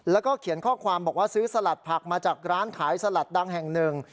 แล้วก็เขียนข้อความบอกว่าซื้อสลัดผักมาจากร้านขายสลัดดังแห่งหนึ่ง